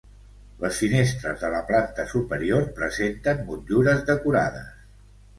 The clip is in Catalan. Les finestres de la planta superior presenten motllures decorades.